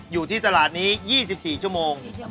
อยู่ที่ตลาดนี้๒๔ชั่วโมง